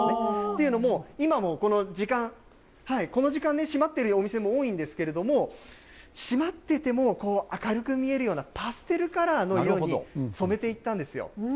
というのも、今もこの時間、この時間閉まっているお店、多いんですけれども、閉まってても、明るく見えるような、パステルカラーの色に染めていったんですよ。